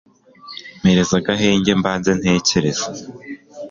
mpereza agahenge mbanze ntekereze